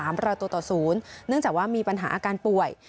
เนื่องจากว่ามีปัญหาอาการป่วย